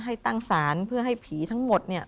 ให้ตั้งศาลเพื่อให้ผีทั้งหมดเนี่ย